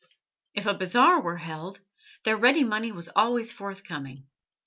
If a bazaar were held, their ready money was always forthcoming.